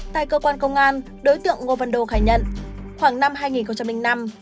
tại cơ quan công an đối tượng ngô văn đô khai nhận khoảng năm hai nghìn năm